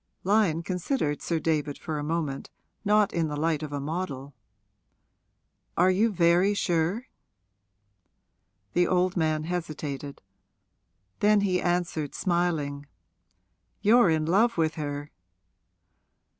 Lyon considered Sir David for a moment, not in the light of a model. 'Are you very sure?' The old man hesitated; then he answered, smiling, 'You're in love with her.'